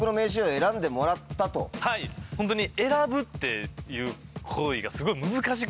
はいホントに選ぶっていう行為がすごい難しくて。